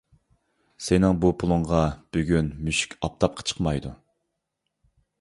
سېنىڭ بۇ پۇلۇڭغا بۈگۈن مۈشۈك ئاپتاپقا چىقمايدۇ.